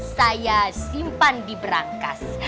saya simpan di berangkas